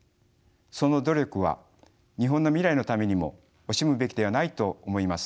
その努力は日本の未来のためにも惜しむべきではないと思います。